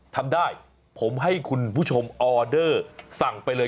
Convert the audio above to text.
ทำได้ผมให้คุณผู้ชมออเดอร์สั่งไปเลย